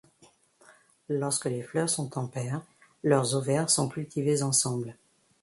Lorsque les fleurs sont en paires, leurs ovaires sont cultivés ensemble.